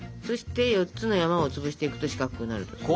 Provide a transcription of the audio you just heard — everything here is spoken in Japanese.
そして４つの山を潰していくと四角くなると。